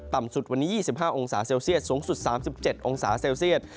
ต่ำสุดวันนี้๒๕องศาเซลเซียตสูงสุด๓๗องศาเซลเซียต